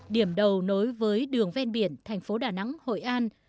điểm đầu nối với đường ven biển thành phố đà nẵng hội an